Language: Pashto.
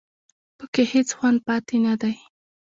په کې هېڅ خوند پاتې نه دی